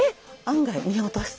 案外見落とす。